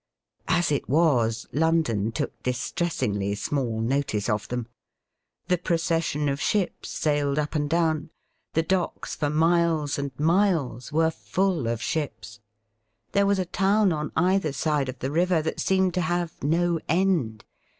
As it was, London took distressingly small notice of them. The procession of ships sailed up and down. The docks for miles and miles were full of ships. There was a town on either side of the river that seemed to have no end.